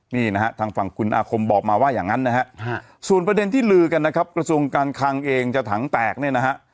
นี่นะฮะทางฝั่งคุณอาคมบอกมาว่าอย่างนั้นนะฮะส่วนประเด็นที่ลือกันนะครับกระทรวงการคังเองจะถังแตกเนี่ยนะฮะ